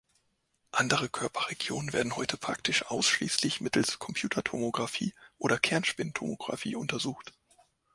Andere Körperregionen werden heute praktisch ausschließlich mittels Computertomographie oder Kernspintomographie untersucht.